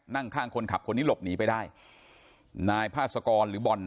นั่งข้างคนขับคนนี้หลบหนีไปได้นายพาสกรหรือบอล